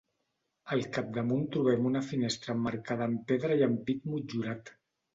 Al capdamunt trobem una finestra emmarcada amb pedra i ampit motllurat.